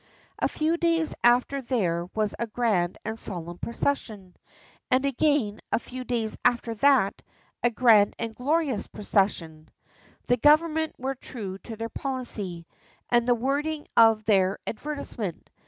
A few days after there was a grand and solemn procession. And again, a few days after that, a grand and glorious procession. The Government were true to their policy, and the wording of their advertisement.